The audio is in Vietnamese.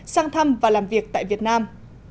sang thăm và làm việc tại việt nam